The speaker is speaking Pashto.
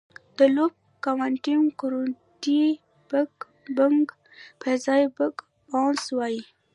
د لوپ کوانټم ګرویټي بګ بنګ پر ځای بګ باؤنس وایي.